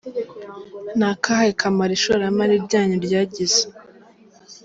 Ni akahe kamaro ishoramari ryanyu ryagize?.